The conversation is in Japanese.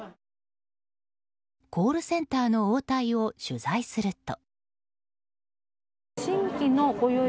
コールセンターの応対を取材すると。